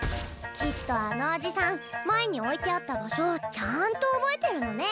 きっとあのおじさん前に置いてあった場所をちゃんと覚えてるのね。